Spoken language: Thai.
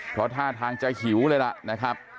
เพราะท่าทางจะหิวเลยล่ะนะครับ